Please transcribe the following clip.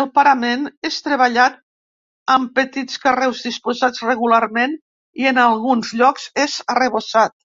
El parament és treballat amb petits carreus disposats regularment, i en alguns llocs és arrebossat.